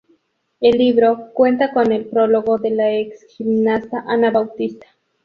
El libro cuenta con el prólogo de la exgimnasta Ana Bautista.